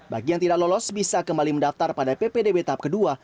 bagi yang tidak lolos bisa kembali mendaftar pada ppdb tahap kedua